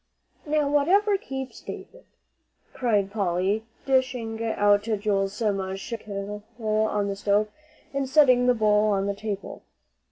"Now, whatever keeps David!" cried Polly, dishing out Joel's mush from the kettle on the stove, and setting the bowl on the table.